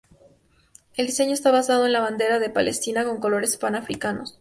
El diseño está basado en la bandera de palestina con colores panafricanos.